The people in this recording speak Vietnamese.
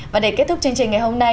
và để kết thúc chương trình ngày hôm nay